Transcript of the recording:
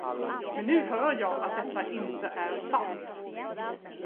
Men nu hör jag att detta inte är sant.